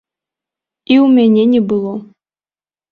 І ў мяне не было.